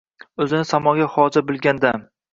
O’zini samoga xoja bilgan dam.